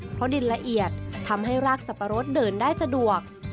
เพราะดินละเอียดทำให้รากสับปะรดเดินได้สะดวก